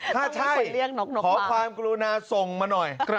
ถ้าใช่ขอความกรุณาส่งมาหน่อย